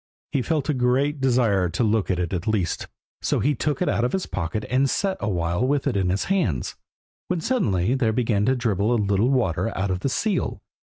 He felt a great desire to look at it at least, so he took it out of his pocket and sat a while with it in his hands, when suddenly there began to dribble a little water out of the seal.